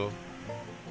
pak presiden joko widodo